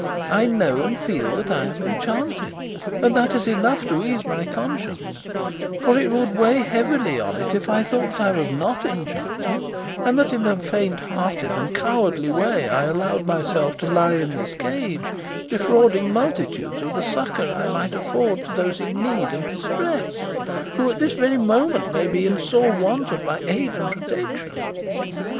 I know and feel that I am enchanted, and that is enough to ease my conscience; for it would weigh heavily on it if I thought that I was not enchanted, and that in a faint hearted and cowardly way I allowed myself to lie in this cage, defrauding multitudes of the succour I might afford to those in need and distress, who at this very moment may be in sore want of my aid and protection."